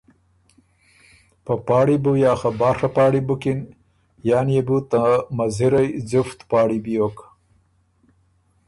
په پاړی بُو یا خه باڒه پاړی بُکِن یا نيې بُو ته مزِرئ ځفت پاړی بیوک